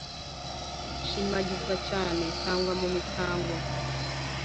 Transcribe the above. shimagizwa cyane, sangwa mu misango,